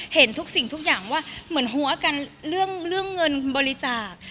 เห็นทุกสิ่งทุกอย่างว่าเหมือนหัวกันเรื่องเงินบริจาค